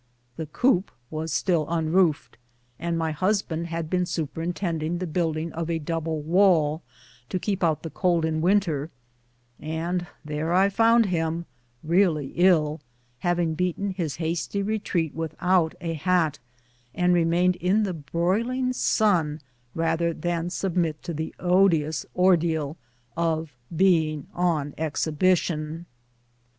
The coop was still unroofed, and my husband had been superintending the building of a double wall to keep out the cold in winter ; and there I found him, really ill, having beaten his hasty retreat without a hat, and re mained in the broiling sun rather than submit to the odious ordeal of being on exhibition.